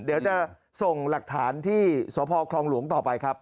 เดี๋ยวจะส่งหลักฐานที่สพคลองหลวงต่อไปครับ